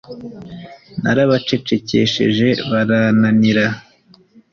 narabacecekeshejebarananira